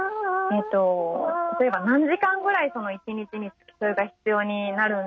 例えば何時間ぐらい一日に付き添いが必要になるんでしょうか。